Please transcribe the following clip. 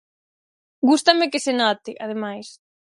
Gústame que se note, ademais.